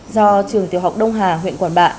do trường tiểu học đông hà huyện quản bạ